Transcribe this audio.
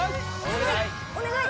お願い！